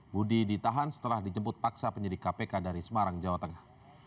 budi ditahan setelah dijemput paksa penyidik kpk dari semarang jawa tengah